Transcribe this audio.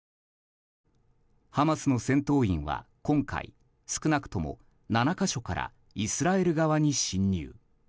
ハマスの戦闘員は今回、少なくとも７か所からイスラエル側に侵入。